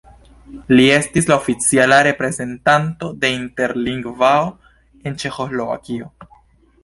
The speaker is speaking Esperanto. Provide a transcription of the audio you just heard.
Il estis la oficiala reprezentanto de Interlingvao en Ĉeĥoslovakio.